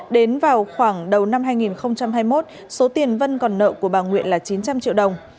đến vào khoảng đầu năm hai nghìn hai mươi một số tiền vân còn nợ của bà nguyễn là chín trăm linh triệu đồng